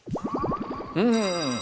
うん。